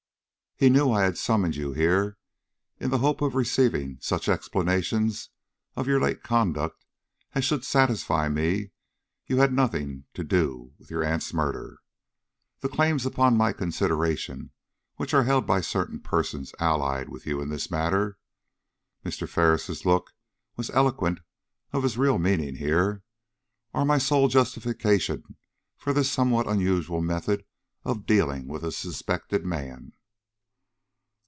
He knew I had summoned you here in the hope of receiving such explanations of your late conduct as should satisfy me you had nothing to do with your aunt's murder. The claims upon my consideration, which are held by certain persons allied to you in this matter" Mr. Ferris' look was eloquent of his real meaning here "are my sole justification for this somewhat unusual method of dealing with a suspected man."